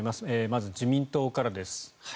まず、自民党からです。